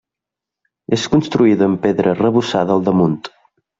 És construïda amb pedra arrebossada al damunt.